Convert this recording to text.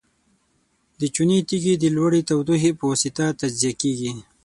د چونې تیږې د لوړې تودوخې په واسطه تجزیه کیږي.